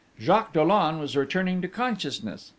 Jacques Dollon was returning to consciousness!